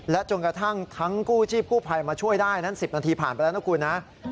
จนกระทั่งทั้งกู้ชีพกู้ภัยมาช่วยได้นั้น๑๐นาทีผ่านไปแล้วนะคุณนะ